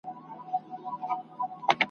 او په ځغاسته سو روان د غار و لورته `